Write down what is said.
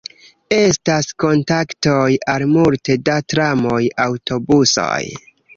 Estas kontaktoj al multe da tramoj, aŭtobusoj.